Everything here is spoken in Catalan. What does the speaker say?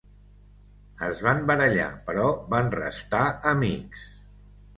Es van barallar, però van restar amics.